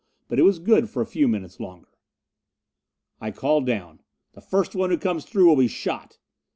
But it was good for a few minutes longer. I called down, "The first one who comes through will be shot."